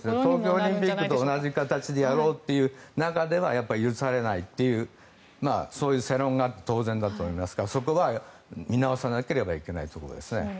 東京オリンピックと同じ形でやろうという中では許されないというそういう世論があって当然だと思いますからそこは見直さないといけないところですね。